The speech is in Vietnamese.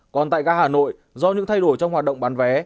còn tại ga hà nội do những thay đổi trong hoạt động bán vé